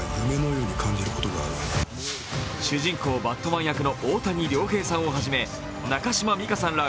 主人公・バットマン役の大谷亮平さんをはじめ中島美嘉さんら